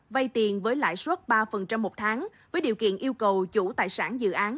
vay tiền với lãi suất ba một tháng với điều kiện yêu cầu chủ tài sản dự án